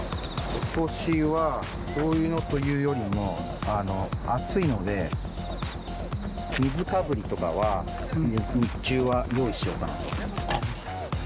ことしは、そういうのというよりも、暑いので、水かぶりとかは、日中は用意しようかなと。